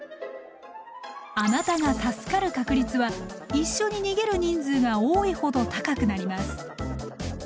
あなたが助かる確率は一緒に逃げる人数が多いほど高くなります。